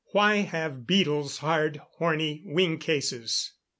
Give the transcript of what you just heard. _Why have beetles hard horny wing cases?